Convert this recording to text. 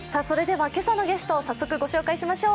今朝のゲストを早速ご紹介しましょう。